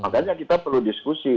makanya kita perlu diskusi